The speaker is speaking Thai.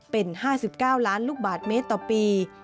เป็น๕๙ล้านลูกบาทเมตรต่อปี